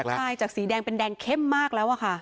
ใช่จากสีแดงเป็นแดงเข้มมากแล้วค่ะ